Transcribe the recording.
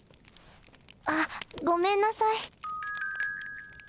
あっごめんなさい。